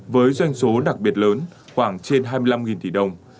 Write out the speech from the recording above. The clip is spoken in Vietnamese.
với doanh số đặc biệt lớn khoảng trên hai mươi năm tỷ đồng